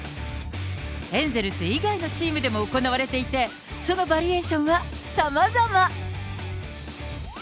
エンゼルス以外のチームでも行われていて、そのバリエーションはさまざま。